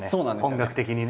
音楽的にね。